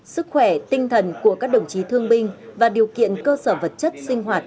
sức khỏe tinh thần của các đồng chí thương binh và điều kiện cơ sở vật chất sinh hoạt